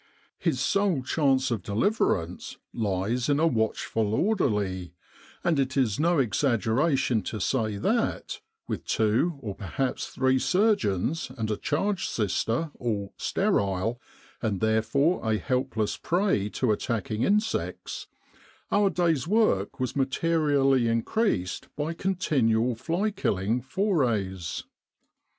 His sole chance of deliverance lies in a watchful orderly; and it is no exaggeration to say that, with two or perhaps three surgeons and a charge sister all 'sterile/ and therefore a helpless prey to attacking insects, our day's work was materi ally increased by continual fly killing forays.